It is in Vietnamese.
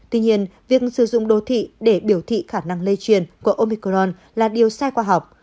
tuy nhiên việc sử dụng đô thị để biểu thị khả năng lây truyền của omicron là điều sai khoa học